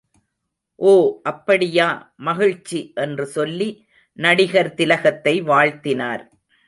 ஓ அப்படியா மகிழ்ச்சி என்று சொல்லி நடிகர் திலகத்தை வாழ்த்தினார்.